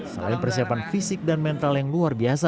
selain persiapan fisik dan mental yang luar biasa